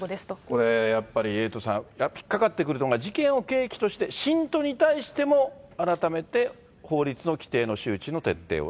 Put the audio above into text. これ、やっぱりエイトさん、引っ掛かってくるのが、事件を契機として、信徒に対しても、改めて法律の規定の周知の徹底を。